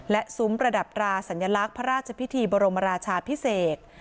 และซุ้มประดับตราสัญลักษณ์พระราชพิธีบรมราชาพิเศษ